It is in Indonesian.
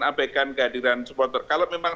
abaikan kehadiran supporter kalau memang